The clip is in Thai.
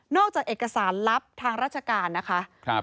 จากเอกสารลับทางราชการนะคะ